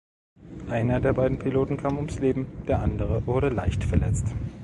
Einer der beiden Piloten kam ums Leben, der andere wurde leicht verletzt.